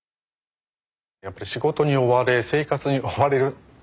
やっぱり仕事に追われ生活に追われる。